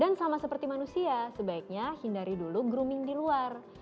dan sama seperti manusia sebaiknya hindari dulu grooming di luar